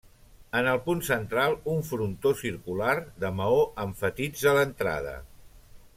En el punt central un frontó circular de maó emfatitza l'entrada.